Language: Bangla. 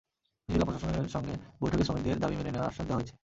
জেলা প্রশাসনের সঙ্গে বৈঠকে শ্রমিকদের দাবি মেনে নেওয়ার আশ্বাস দেওয়া হয়েছে।